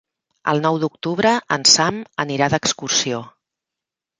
El nou d'octubre en Sam anirà d'excursió.